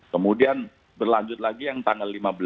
kemudian berlanjut lagi yang tanggal lima belas mbak lima belas juni